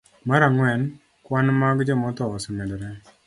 Mar ang'wen, kwan mag jomotho osemedore.